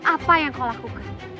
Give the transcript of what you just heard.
apa yang kau lakukan